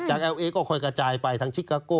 จากเอลเอก็ก่อนไปทางชิคาโก้